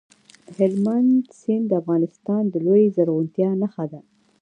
هلمند سیند د افغانستان د لویې زرغونتیا نښه ده.